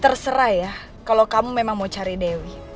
terserah ya kalau kamu memang mau cari dewi